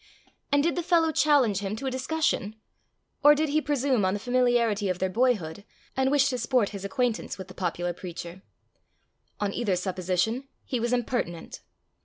And did the fellow challenge him to a discussion? Or did he presume on the familiarity of their boyhood, and wish to sport his acquaintance with the popular preacher? On either supposition, he was impertinent.